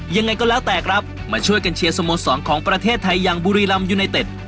ยังไงก็แล้วแต่ครับมาช่วยกันเชียร์สโมสรของประเทศไทยอย่างบุรีรำยูไนเต็ด